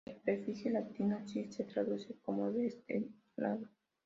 El prefijo latino "cis" se traduce como "de este lado".